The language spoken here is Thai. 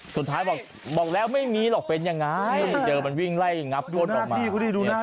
สุดท้ายบอกบอกแล้วไม่มีหรอกเป็นยังไงเจอมันวิ่งไล่งับก้นออกมาดูหน้าที่ดูหน้าที่